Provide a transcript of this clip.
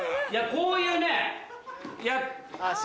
こういう。